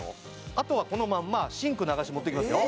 あとはこのまんまシンク流し持っていきますよ